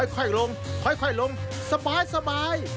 ค่อยลงลงสบาย